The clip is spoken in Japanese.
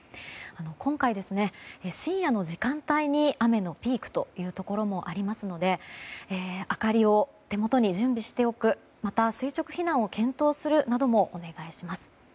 今回、深夜の時間帯に雨のピークというところもありますので明かりを手元に準備しておくまた、垂直避難を検討するなどもお願いします。